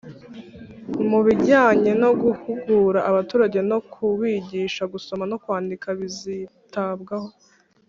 mu bijyanye no guhugura abaturage no ku bigisha gusoma no kwandika bizitabwaho